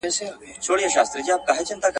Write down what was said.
د انګلیس سرتیري د کابل له لارې حرکت وکړ.